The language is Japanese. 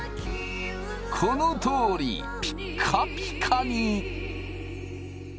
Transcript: このとおりピッカピカに！